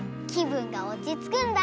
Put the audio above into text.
ぶんがおちつくんだ！